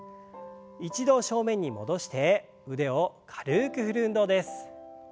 一度正面に戻して腕を軽く振る運動です。